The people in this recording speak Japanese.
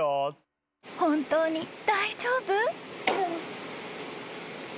［本当に大丈夫？］